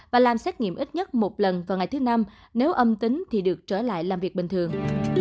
và làm xét nghiệm ít nhất một lần vào ngày thứ năm nếu âm tính thì được trở lại làm việc bình thường